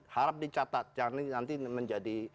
harap dicatat jangan ini nanti menjadi